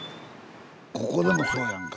ここでもすごいやんか。